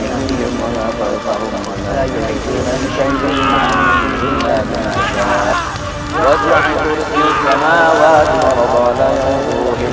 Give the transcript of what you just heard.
yang membawa mereka bersepakat di rumah ke tanaman tinggi